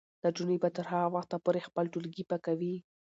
نجونې به تر هغه وخته پورې خپل ټولګي پاکوي.